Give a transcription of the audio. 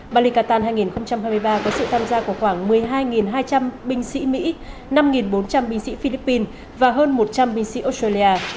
parigatan hai nghìn hai mươi ba có sự tham gia của khoảng một mươi hai hai trăm linh binh sĩ mỹ năm bốn trăm linh binh sĩ philippines và hơn một trăm linh binh sĩ australia